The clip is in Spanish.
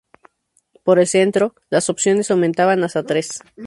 Por el Centro, las opciones aumentaban hasta tres.